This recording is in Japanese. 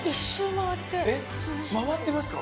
えっ回ってますか？